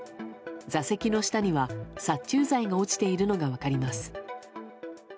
座席の下には殺虫剤が落ちているのが分かります。